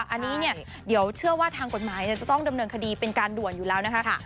อันนี้เนี่ยเดี๋ยวเชื่อว่าทางกฎหมายจะต้องดำเนินคดีเป็นการด่วนอยู่แล้วนะคะ